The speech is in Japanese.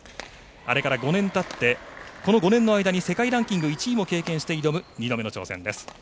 あれから５年たってこの５年の間に世界ランキング１位も経験して挑む、２度目の挑戦です。